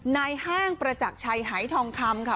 ในห้างประจักษ์ชัยหายทองคำ